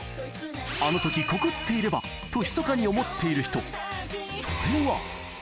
あのとき告っていればとひそかに思っている人、それは。